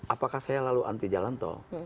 apakah saya lalu anti jalan tol